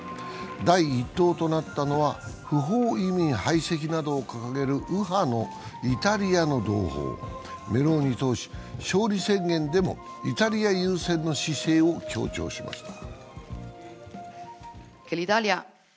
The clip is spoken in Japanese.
第１党となったのは不法移民の排斥などを掲げる右派のイタリアの同胞、メローニ党首、勝利宣言でもイタリア優先の姿勢を強調しました。